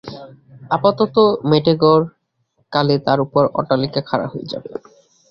আপাতত মেটে ঘর, কালে তার উপর অট্টালিকা খাড়া হয়ে যাবে।